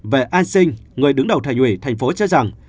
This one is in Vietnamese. về an sinh người đứng đầu thành ủy thành phố cho rằng